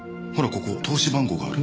ここ通し番号がある。